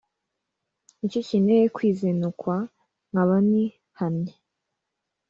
Nicyo kinteye kwizinukwa nkaba ni hannye